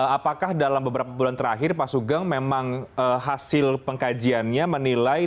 apakah dalam beberapa bulan terakhir pak sugeng memang hasil pengkajiannya menilai